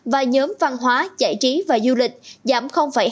và nhóm văn hóa giải trí và du lịch giảm hai mươi sáu